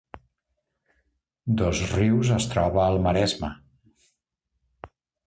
Dosrius es troba al Maresme